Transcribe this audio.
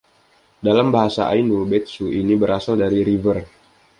Dalam bahasa Ainu “betsu” ini berasal dari “river”.